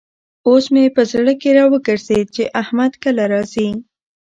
اوس مې په زړه کې را وګرزېد چې احمد کله راځي.